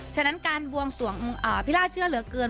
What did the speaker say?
ฉะนั้นการบวงสวงพิล่าเชื่อเหลือเกิน